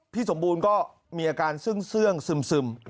พี่สมบูรณ์ก็มีอาการซึ้งซึม